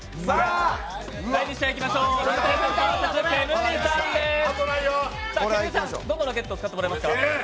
第２試合いきましょう、ケムリさんどのラケット使ってもらいますか。